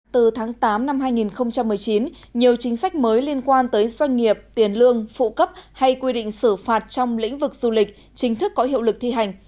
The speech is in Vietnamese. từ tháng tám năm hai nghìn một mươi chín nhiều chính sách mới liên quan tới doanh nghiệp tiền lương phụ cấp hay quy định xử phạt trong lĩnh vực du lịch chính thức có hiệu lực thi hành